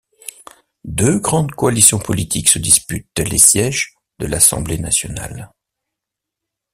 Deux grandes coalitions politiques se disputent les sièges de l'Assemblée Nationale.